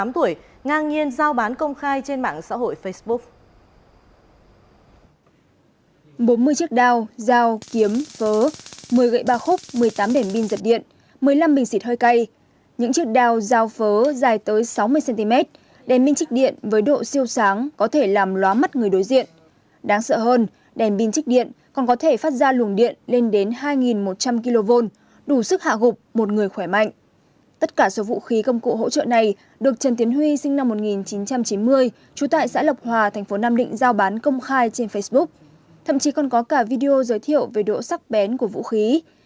tại xã lộc hòa tp nam định giao bán công khai trên facebook thậm chí còn có cả video giới thiệu về độ sắc bén của vũ khí